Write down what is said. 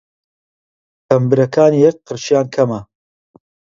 تەمبرەکانی یەک قرشیان کەمە!